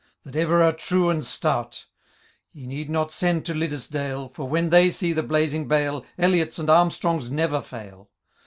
That ever are true and stout — Ye need not send to Liddesdale ; For when they see the blazing bale, Elliots and Armstrongs never fail.